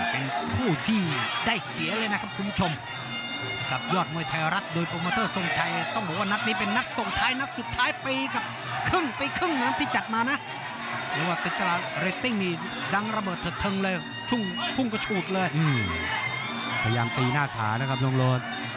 พยายามตีหน้าขานะครับน้องรถ